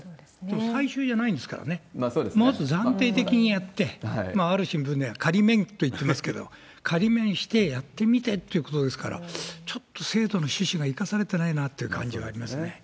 最終じゃないですからね、まず暫定的にやって、ある新聞では仮免と言ってますけど、仮免してやってみてってことですから、ちょっと制度の趣旨が生かされてないなっていう感じはありますね。